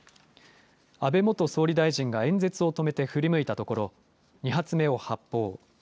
安倍元総理大臣が演説を止めて振り向いたところ、２発目を発砲。